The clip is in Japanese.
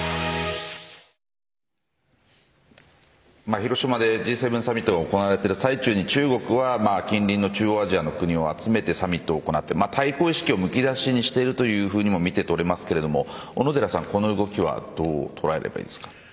広島でＧ７サミットが行われている最中に中国は近隣の中央アジアの国を集めてサミットを行って対抗意識をむき出しにしていると見てとれますが小野寺さん、この動きはどう捉えればいいですか。